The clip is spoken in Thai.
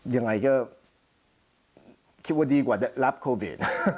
ยังไงก็คิดว่าดีกว่าได้รับโควิด